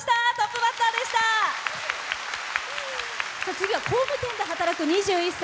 次は工務店で働く２１歳。